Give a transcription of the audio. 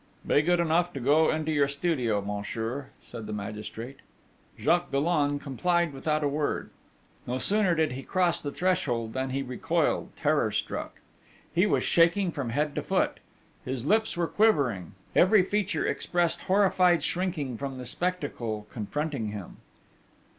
'Be good enough to go into your studio, monsieur,' said the magistrate. Jacques Dollon complied without a word. No sooner did he cross the threshold than he recoiled, terror struck. He was shaking from head to foot; his lips were quivering; every feature expressed horrified shrinking from the spectacle confronting him.